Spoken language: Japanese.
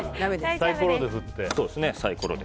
サイコロで振ってね。